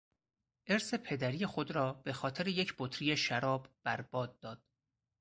ارث پدری خود را به خاطر یک بطری شراب بر باد داد.